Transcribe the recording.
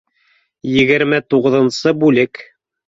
Егерме туғыҙынсы бүлек